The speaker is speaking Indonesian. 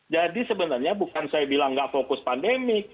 jadi sebenarnya bukan saya bilang nggak fokus pandemik